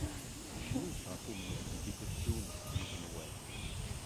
Cnumt ɣef umnay i d-itteddun seg yigenwan.